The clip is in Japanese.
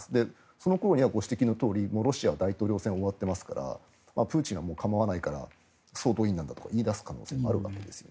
その頃には、ご指摘のとおりロシアは大統領選挙が終わってますからプーチンは構わないから総動員なんだとか言い出す可能性はあるわけです。